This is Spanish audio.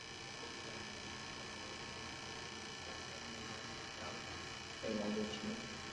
Es popular en Indonesia, Malasia, las Filipinas, Singapur, Vietnam, Laos, Tailandia y China.